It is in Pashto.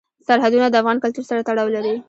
سرحدونه د افغان کلتور سره تړاو لري.